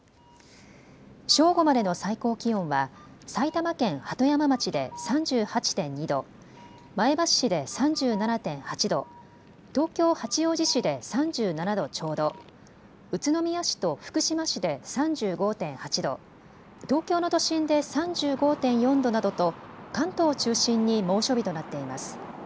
正午までの最高気温は埼玉県鳩山町で３８．２度、前橋市で３７．８度、東京八王子市で３７度ちょうど、宇都宮市と福島市で３５．８度、東京の都心で３５．４度などと関東を中心に猛暑日となっています。